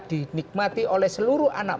dinikmati oleh seluruh anak